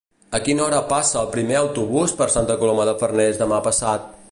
A quina hora passa el primer autobús per Santa Coloma de Farners demà passat?